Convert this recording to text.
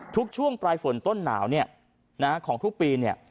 ช่วงปลายฝนต้นหนาวเนี่ยนะของทุกปีเนี่ย